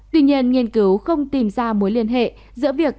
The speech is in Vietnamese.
tuy nhiên nghiên cứu không tìm ra mối liên hệ giữa việc